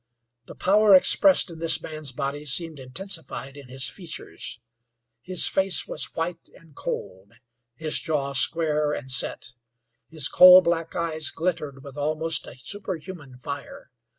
The power expressed in this man's body seemed intensified in his features. His face was white and cold, his jaw square and set; his coal black eyes glittered with almost a superhuman fire.